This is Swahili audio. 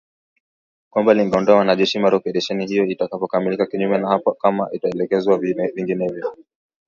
kwamba lingeondoa wanajeshi mara operesheni hiyo itakapokamilika kinyume na hapo kama itaelekezwa vinginevyo